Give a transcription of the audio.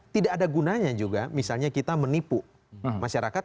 tidak ada gunanya juga misalnya kita menipu masyarakat